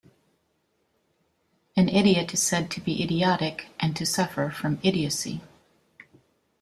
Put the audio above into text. An idiot is said to be idiotic, and to suffer from idiocy.